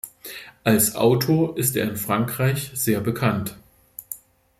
Als Autor ist er in Frankreich sehr bekannt.